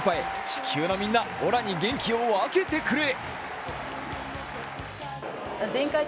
地球のみんなオラに元気を分けてくれ。